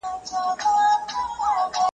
نوم به مي نه ستا نه د زمان په زړه کي پاته وي .